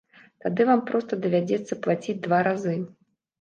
Тады вам проста давядзецца плаціць два разы.